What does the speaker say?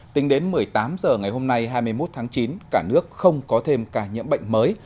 tính đến một mươi tám h ngày hôm nay hai mươi một tháng chín cả nước không có thêm ca nhiễm bệnh mới